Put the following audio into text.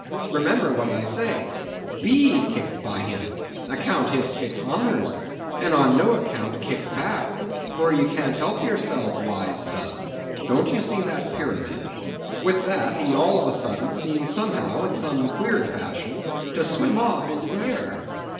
Remember what I say; be kicked by him; account his kicks honors; and on no account kick back; for you can't help yourself, wise Stubb. Don't you see that pyramid?' With that, he all of a sudden seemed somehow, in some queer fashion, to swim off into the air.